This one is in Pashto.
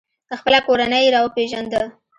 خپله کورنۍ یې را وپیژنده.